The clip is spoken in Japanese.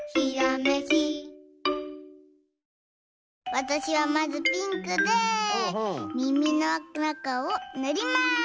わたしはまずピンクでみみのなかをぬります。